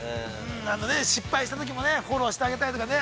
失敗したときも、フォローしてあげたりとかね。